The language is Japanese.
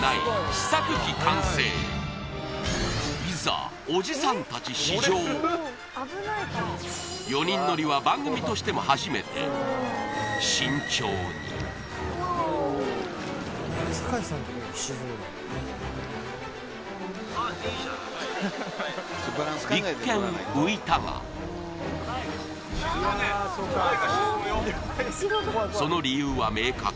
試作機完成いざ４人乗りは番組としても初めて一見浮いたがその理由は明確